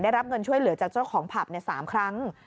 ได้รับเงินช่วยเหลือจากเจ้าของผับ๓ครั้ง